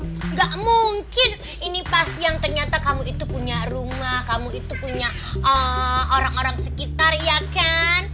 tidak mungkin ini pasien ternyata kamu itu punya rumah kamu itu punya orang orang sekitar ya kan